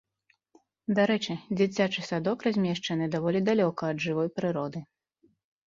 Дарэчы, дзіцячы садок размешчаны даволі далёка ад жывой прыроды.